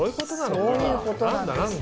そういうことなんです。